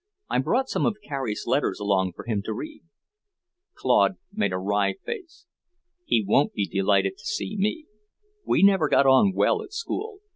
I brought some of Carrie's letters along for him to read." Claude made a wry face. "He won't be delighted to see me. We never got on well at school.